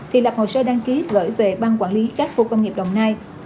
thì lập hồ sơ đăng ký gửi về ban quản lý các khu công nghiệp đồng nai